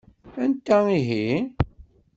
Anta ihi?